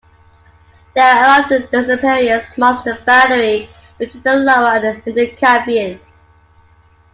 Their abrupt disappearance marks the boundary between the Lower and the Middle Cambrian.